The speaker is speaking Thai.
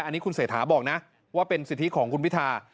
อันนี้คุณเศรษฐาบอกนะว่าเป็นสิทธิของคุณพิธา